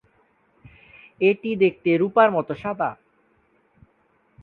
এটি দেখতে রূপার মত সাদা।